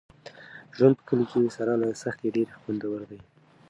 ژوند په کلي کې سره له سختۍ ډېر خوندور دی.